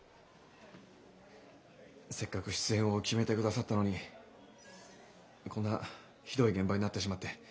せっかく出演を決めてくださったのにこんなひどい現場になってしまって。